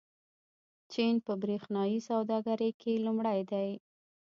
چین په برېښنايي سوداګرۍ کې لومړی دی.